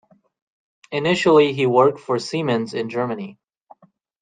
Initially he worked for Siemens in Germany.